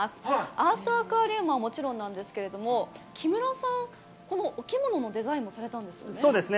アートアクアリウムはもちろんなんですけれども、木村さん、このお着物のデザインもされたんですよね？